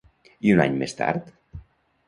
I un any més tard?